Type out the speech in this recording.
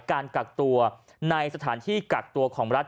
การกักตัวในสถานที่กักตัวของรัฐ